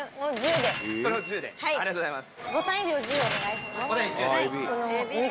５でありがとうございます。